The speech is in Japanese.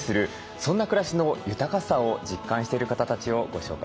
そんな暮らしの豊かさを実感してる方たちをご紹介していきます。